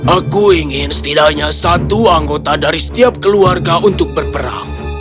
aku ingin setidaknya satu anggota dari setiap keluarga untuk berperang